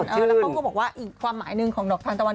แล้วเขาก็บอกว่าอีกความหมายหนึ่งของดอกทานตะวัน